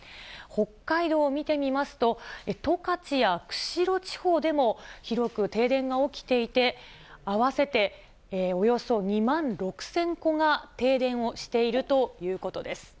北海道を見てみますと、十勝や釧路地方でも広く停電が起きていて、合わせておよそ２万６０００戸が停電をしているということです。